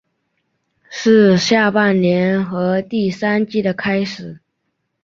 是下半年和第三季的开始。